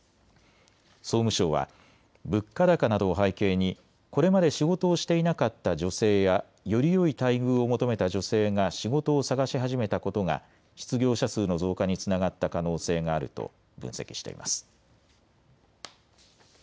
総務省は物価高などを背景にこれまで仕事をしていなかった女性やよりよい待遇を求めた女性が仕事を探し始めたことが失業者数の増加につながった可能性があると分析しています。